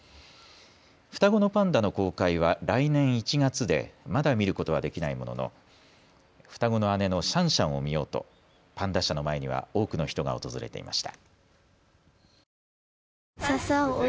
双子のパンダの公開は来年１月でまだ見ることはできないものの双子の姉のシャンシャンを見ようとパンダ舎の前には多くの人が訪れていました。